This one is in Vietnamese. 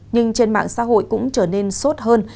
nhưng trên mạng xã hội cũng trở nên sốt hơn